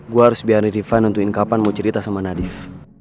gue harus biarin riva nentuin kapan mau cerita sama nadif